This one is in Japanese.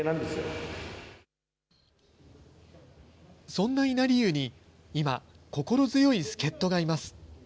そんな稲荷湯に、今、心強い助っ人がいます。